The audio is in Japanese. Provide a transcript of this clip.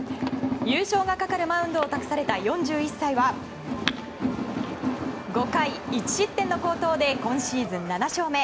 優勝が懸かるマウンドを託された４１歳は５回１失点の好投で今シーズン７勝目。